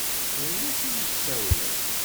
D nekk i k-d-yessawlen.